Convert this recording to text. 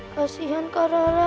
kasian kak rara